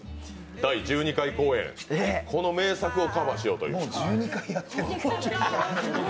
第１２回公演、この名作をやろうという。